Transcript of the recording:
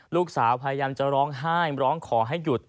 พยายามจะร้องไห้ร้องขอให้หยุด